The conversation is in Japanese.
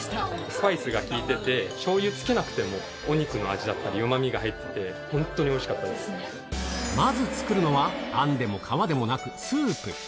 スパイスが効いてて、しょうゆつけなくても、お肉の味だったり、うまみが入ってて、本当におまず作るのは、あんでも皮でもなくスープ。